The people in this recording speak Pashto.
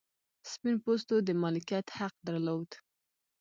سپین پوستو د مالکیت حق درلود.